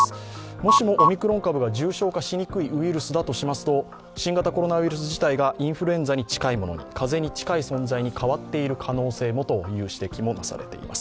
もしオミクロン株が重症化しにくいウイルスだとしますと新型コロナウイルス自体がインフルエンザに近いものに、風邪に近い存在に変わっている可能性という指摘もなされています。